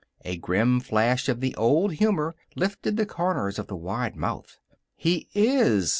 A grim flash of the old humor lifted the corners of the wide mouth. "He is.